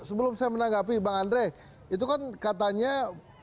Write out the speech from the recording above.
sebelum saya menanggapi bang andre itu kan katanya